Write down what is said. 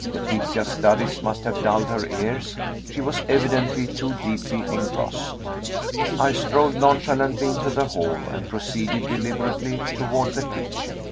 Letitia's studies must have dulled her ears. She was evidently too deeply engrossed. I strolled nonchalantly into the hall, and proceeded deliberately toward the kitchen.